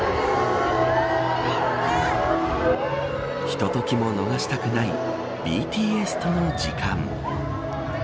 ひとときも逃したくないＢＴＳとの時間。